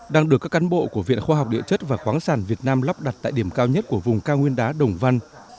đang được các cán bộ của viện khoa học địa chất và khoáng sản việt nam lắp đặt tại điểm cao nhất của vùng cao nguyên đá đồng văn